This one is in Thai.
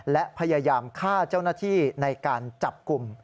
และพยายามฆ่าเจ้าหน้าที่ในการจับกลุ่ม